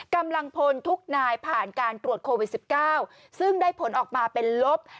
กำลังพลทุกนายผ่านการตรวจโควิด๑๙ซึ่งได้ผลออกมาเป็นลบ